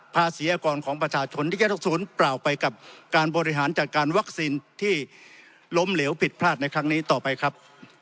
ภาษีอากรของประชาชนที่จะต้องศูนย์เปล่าไปกับการบริหารจัดการวัคซีนที่ล้มเหลวผิดพลาดในครั้งนี้ต่อไปครับ